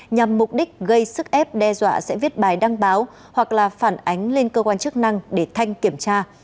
nhằm mục đích gây sức ép đe dọa sẽ viết bài đăng báo hoặc là phản ánh lên cơ quan chức năng để thanh kiểm tra